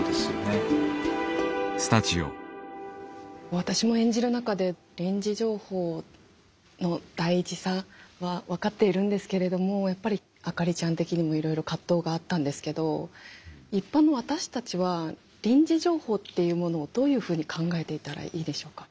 私も演じる中で臨時情報の大事さは分かっているんですけれどもやっぱりあかりちゃん的にもいろいろ葛藤があったんですけど一般の私たちは臨時情報っていうものをどういうふうに考えていたらいいでしょうか。